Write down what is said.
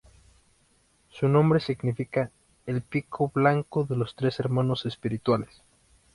Su nombre significa "El Pico Blanco de los Tres Hermanos Espirituales".